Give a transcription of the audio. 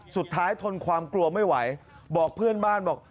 สุดท้ายทนความกลัวไม่ไหวเบาะเพื่อนบ้านบอก